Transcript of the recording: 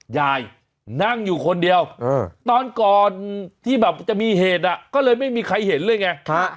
นั่งอยู่คนเดียวตอนก่อนที่แบบจะมีเหตุก็เลยไม่มีใครเห็นเลยไง